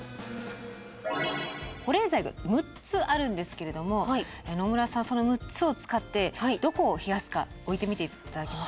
保冷剤が６つあるんですけれども野村さんその６つを使ってどこを冷やすか置いてみて頂けますか。